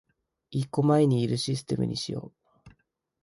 一個前にいるシステムにしよう